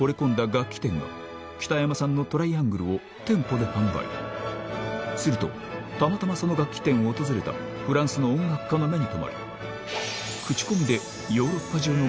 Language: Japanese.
楽器店が北山さんのトライアングルを店舗で販売するとたまたまその楽器店を訪れたフランスの音楽家の目に留まり